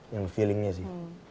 yang feelingnya sih